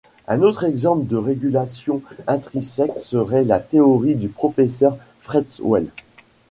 Un autre exemple de régulation intrinsèque serait la théorie du professeur Fretwell.